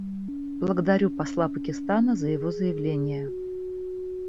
Благодарю посла Пакистана за его заявление.